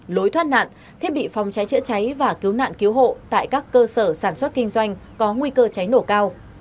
lối thoát nạn thiết bị phòng cháy chữa cháy và cứu nạn cứu hộ tại các cơ sở sản xuất kinh doanh có nguy cơ cháy nổ cao